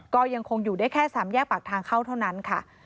ก็ยังคงอยู่ได้แค่๓แยกปากทางเข้าเท่านั้นค่ะ